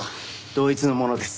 同一のものです。